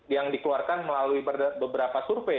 yang dikeluarkan melalui beberapa survei